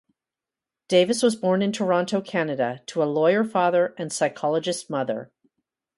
Davis was born in Toronto, Canada, to a lawyer father and psychologist mother.